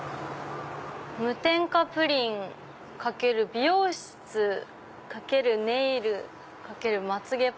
「無添加プリン×美容室×ネイル×まつ毛パーマ」。